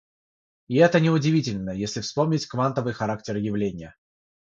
и это неудивительно, если вспомнить квантовый характер явления.